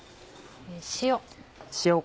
塩。